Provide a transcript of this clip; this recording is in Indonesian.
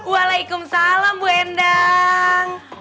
waalaikumsalam bu endang